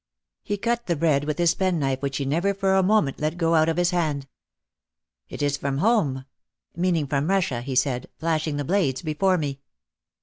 He cut the bread with his penknife which he never for a moment let go out of his hand. "It is from home," meaning from Russia, he said, flashing the blades before me.